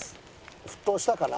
沸騰したかな？